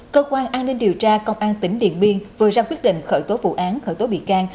cơ quan an ninh điều tra công an tỉnh điện biên vừa ra quyết định khởi tố vụ án khởi tố bị can